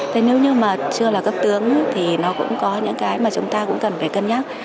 thế nếu như mà chưa là cấp tướng thì nó cũng có những cái mà chúng ta cũng cần phải cân nhắc